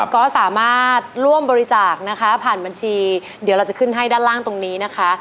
ก็สามารถร่วมบริจาคนะคะผ่านบัญชีเดี๋ยวเราจะขึ้นให้ด้านล่างตรงนี้นะคะ